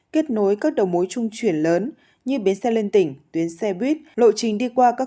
kết nối các đầu mối trung chuyển lớn như bến xe liên tỉnh tuyến xe buýt lộ trình đi qua các